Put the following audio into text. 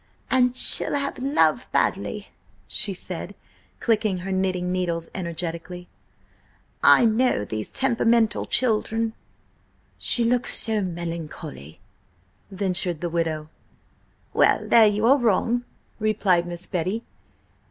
"And she'll have love badly," she said, clicking her knitting needles energetically. "I know these temperamental children!" "She looks so melancholy," ventured the widow. "Well there you are wrong!" replied Miss Betty.